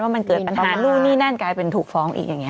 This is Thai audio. มันเกิดปัญหานู่นนี่นั่นกลายเป็นถูกฟ้องอีกอย่างนี้